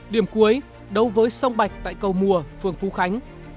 điểm cuối đấu với sông bạch tại cầu mùa phường phú khánh